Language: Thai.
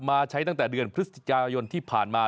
ใช้ตั้งแต่เดือนพฤศจิกายนที่ผ่านมา